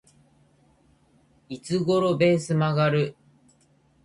いつ頃ベース曲がる？